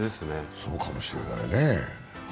そうかもしれないね。